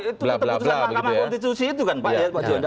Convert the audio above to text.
itu kan putusan mahkamah konstitusi itu kan pak juwanda